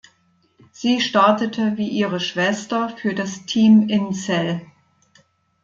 Sie startete wie ihre Schwester für das "Team Inzell".